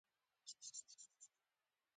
هغې وویل: نو هغه وخت په خطره کي نه وې؟